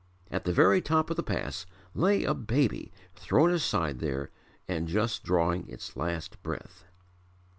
At the very top of the pass lay a baby thrown aside there and just drawing its last breath.